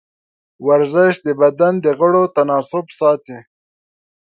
ورزش د بدن د غړو تناسب ساتي.